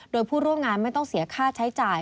โดยผู้ร่วมงานไม่ต้องเสียค่าใช้จ่าย